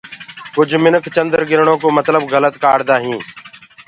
ڪُج منک چنڊگِرڻو ڪو متلب گلت ڪآردآ هينٚ